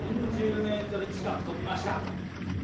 ４０ｍ近く飛びました。